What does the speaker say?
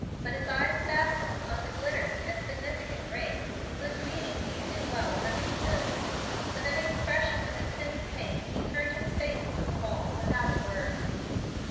But his eyes fastened on the glittering and significant ring, whose meaning he too well understood. With an expression of intense pain he turned his face to the wall without a word.